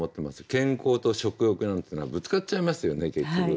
健康と食欲なんていうのはぶつかっちゃいますよね結局。